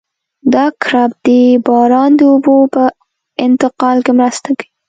دا کرب د باران د اوبو په انتقال کې مرسته کوي